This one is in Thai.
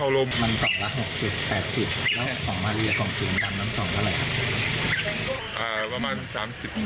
แล้วของหารีหรือของสูงดำน้ำต่อเท่าไหร่ครับ